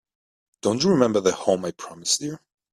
Don't you remember the home I promised you?